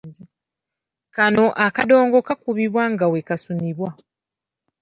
Kano akadongo kakubibwa nga kasunibwa.